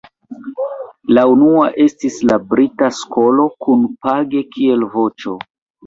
La unua estis la "brita skolo", kun Page kiel voĉo.